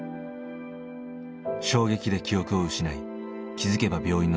衝撃で記憶を失い気づけば病院の処置室。